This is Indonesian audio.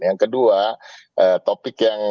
yang kedua topik yang